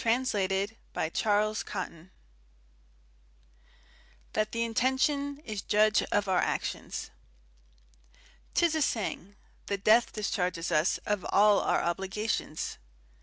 732.] CHAPTER VII THAT THE INTENTION IS JUDGE OF OUR ACTIONS 'Tis a saying, "That death discharges us of all our obligations."